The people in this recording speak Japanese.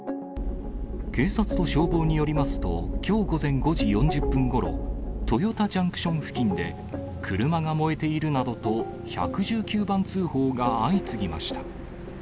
警察と消防によりますと、きょう午前５時４０分ごろ、豊田ジャンクション付近で、車が燃えているなどと、１１９番通報が相次ぎました。